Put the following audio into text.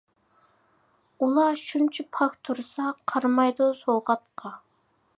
ئۇلار شۇنچە پاك تۇرسا، قارىمايدۇ سوۋغاتقا.